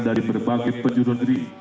dari berbagai penjuru negeri